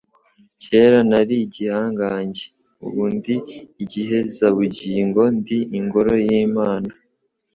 kera nari igihangange. Ubu ndi igihezabugingo, ndi ingoro y'Imana,